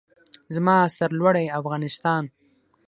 زما سرلوړی افغانستان.